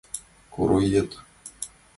Короед!